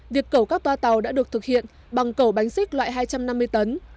việc cẩu các toa tàu đã được thực hiện bằng cẩu bánh xích loại hai trăm năm mươi tấn